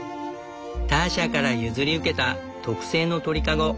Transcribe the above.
ターシャから譲り受けた特製の鳥籠。